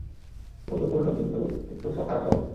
কৌতুকপূর্ণ, কিন্তু একটু খারাপ স্বভাবের।